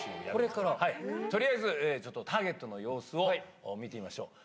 とりあえずターゲットの様子を見てみましょう。